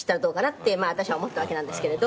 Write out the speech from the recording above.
ってまあ私は思ったわけなんですけれど。